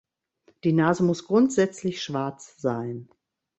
Die Nase muss grundsätzlich schwarz sein.